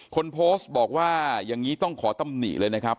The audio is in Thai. คนโพสต์บอกว่าอย่างนี้ต้องขอตำหนิเลยนะครับ